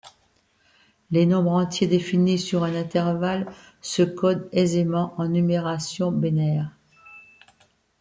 Les nombres entiers définis sur un intervalle se codent aisément en numération binaire.